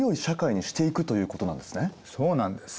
そうなんです。